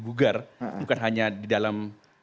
bugar bukan hanya di dalam